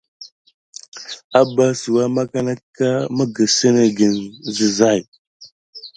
Apaku bas ki makan aka migəkine sime sigaï.